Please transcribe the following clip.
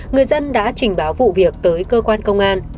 người dân đã trình báo vụ việc tới cơ quan công an